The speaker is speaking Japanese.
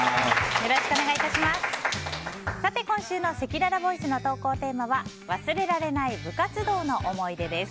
今週のせきららボイスの投稿テーマは忘れられない部活動の思い出です。